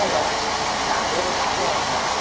สวัสดีครับ